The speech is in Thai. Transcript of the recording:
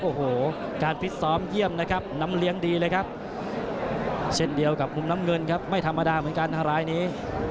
โอ้โหการฟิตซ้อมเยี่ยมนะครับน้ำเลี้ยงดีเลยครับเช่นเดียวกับมุมน้ำเงินครับไม่ธรรมดาเหมือนกันรายนี้